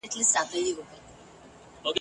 یوه ورځ ورته ناڅا په مرګی ګوري !.